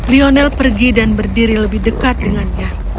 lionel pergi dan berdiri lebih dekat dengannya